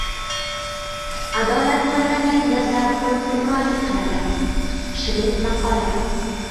Adolat qolmagan yerda pul hukmronlik qiladi. Shved maqoli